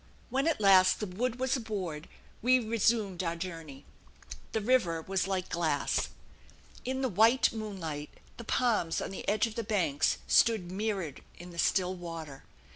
When at last the wood was aboard we resumed our journey. The river was like glass. In the white moonlight the palms on the edge of the banks stood mirrored in the still water.